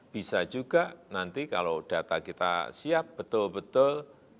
bisa juga nanti kalau data kita siap betul betul